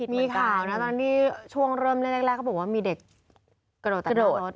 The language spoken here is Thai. มีข่าวนะตอนที่ช่วงเริ่มแรกเขาบอกว่ามีเด็กกระโดดขึ้นรถ